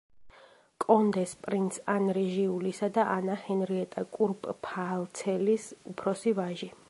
კონდეს პრინც ანრი ჟიულისა და ანა ჰენრიეტა კურპფალცელის უფროსი ვაჟი.